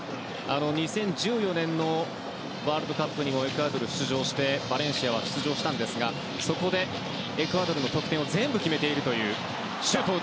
２０１４年のワールドカップにもエクアドルは出場してバレンシアは出場したんですがそこでエクアドルの得点を全部決めているという。